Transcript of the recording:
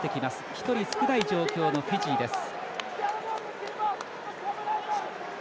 １人少ない状況のフィジーです。